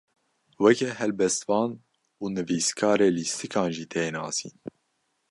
Weke helbestvan û nivîskarê lîstikan jî tê nasîn.